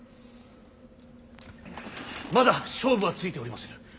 まだ勝負はついておりませぬ。